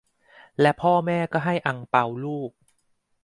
และพ่อแม่ก็ให้อั่งเปาลูก